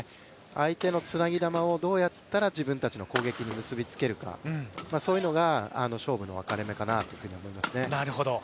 相手のつなぎ球をどうやって自分たちの攻撃に結びつけるかそういうのが勝負の分かれ目かなと思いますね。